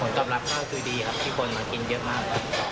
ผมตอบรับมากที่ดีครับที่คนมากินเยอะมาก